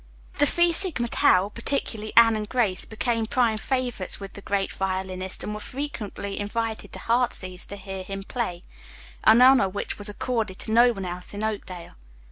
The Phi Sigma Tau, particularly Anne and Grace, became prime favorites with the great violinist and were frequently invited to "Heartsease" to hear him play, an honor which was accorded to no one else in Oakdale.